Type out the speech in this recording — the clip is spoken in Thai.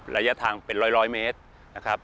ระยะทางเป็นร้อยเมตรนะครับ